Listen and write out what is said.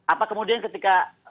apa kemudian ketika